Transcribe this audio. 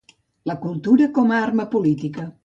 La cultura com a ‘arma política’